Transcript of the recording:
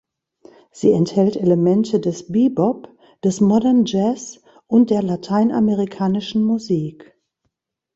Sie enthält Elemente des Bebop, des Modern Jazz und der lateinamerikanischen Musik.